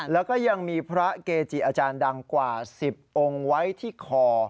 แล้วก็ยังมีพระเกจิอาจารย์ดังกว่า๑๐องค์ไว้ที่คอ